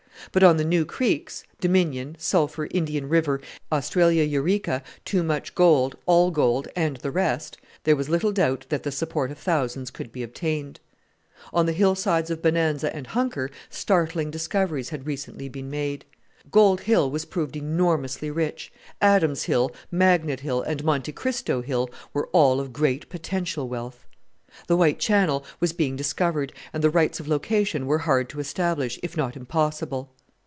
But on the new creeks Dominion, Sulphur, Indian River, Australia Eureka, Too Much Gold, All Gold, and the rest there was little doubt that the support of thousands could be obtained. On the hillsides of Bonanza and Hunker startling discoveries had recently been made. Gold Hill was proved enormously rich, Adams Hill, Magnet Hill, and Monte Cristo Hill were all of great potential wealth. The White Channel was being discovered, and the rights of location were hard to establish, if not impossible.